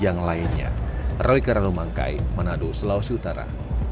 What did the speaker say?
yang lainnya roy karadumangkai manado sulawesi utara